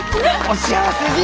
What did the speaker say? お幸せに！